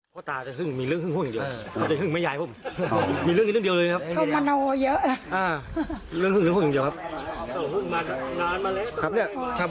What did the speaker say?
พ่อตามีเรื่องมาแยนผมผมมีเรื่องอย่างเดียวเลยครับ